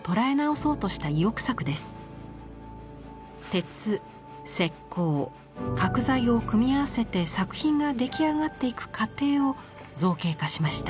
鉄石膏角材を組み合わせて作品が出来上がっていく過程を造形化しました。